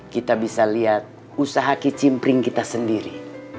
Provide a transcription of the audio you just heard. kita bisa lihat usaha kicimpring kita sendiri